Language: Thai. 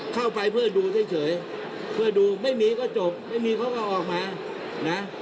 เข้าไปเพื่อดูเฉยเพื่อดูไม่มีก็จบไม่มีเขาก็ออกมานะ